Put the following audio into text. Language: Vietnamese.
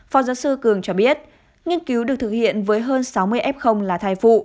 phó giáo sư cường cho biết nghiên cứu được thực hiện với hơn sáu mươi f là thai phụ